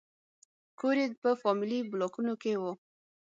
کور یې په فامیلي بلاکونو کې و.